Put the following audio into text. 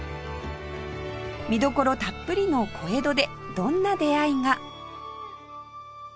見どころたっぷりの小江戸でどんな出会いが？